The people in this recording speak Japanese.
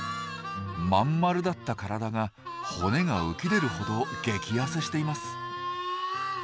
まんまるだった体が骨が浮き出るほど激ヤセしています。